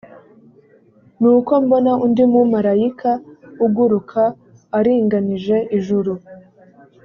nuko mbona undi mumarayika aguruka aringanije ijuru